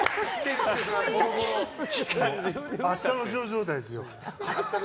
「あしたのジョー」状態ですよ。